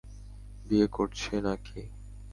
বিয়ে করছে না কি?